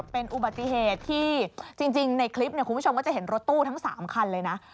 เป็นอุบัติเหตุที่จริงในคลิปคุณผู้ชมก็จะเห็นรถตู้ทั้ง๓คันเลยนะ